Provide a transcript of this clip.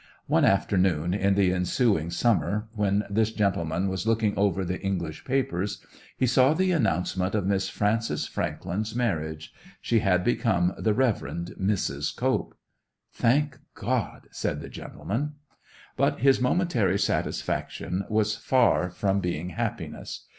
One afternoon in the ensuing summer, when this gentleman was looking over the English papers, he saw the announcement of Miss Frances Frankland's marriage. She had become the Reverend Mrs. Cope. 'Thank God!' said the gentleman. But his momentary satisfaction was far from being happiness.